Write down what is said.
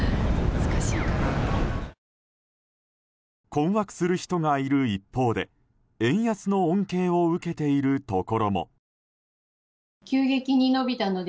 困惑する人がいる一方で円安の恩恵を受けているところも。